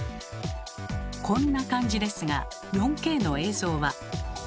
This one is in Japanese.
こんな感じですが４Ｋの映像は。